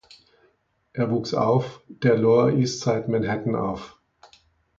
Er wuchs auf der Lower East Side, Manhattan auf.